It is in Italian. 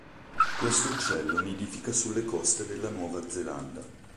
Questo uccello nidifica sulle coste della Nuova Zelanda.